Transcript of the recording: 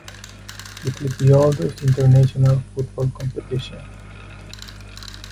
It is the oldest international football competition.